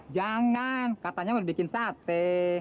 jangan katanya mau bikin sate